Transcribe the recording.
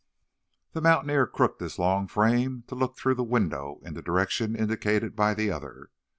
The mountaineer crooked his long frame to look through the window in the direction indicated by the other.